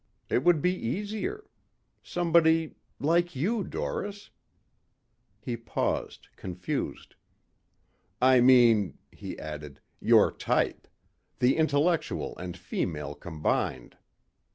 It would be easier. Somebody ... like you, Doris." He paused, confused. "I mean," he added, "your type. The intellectual and female combined."